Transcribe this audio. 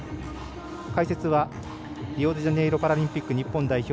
解説はリオデジャネイロパラリンピック日本代表